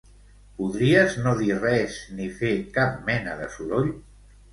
Podries no dir res ni fer cap mena de soroll?